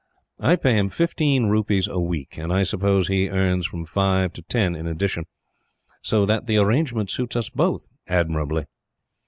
I pay him fifteen rupees a week, and I suppose he earns from five to ten in addition; so that the arrangement suits us both, admirably.